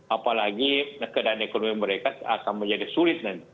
apalagi keadaan ekonomi mereka akan menjadi sulit nanti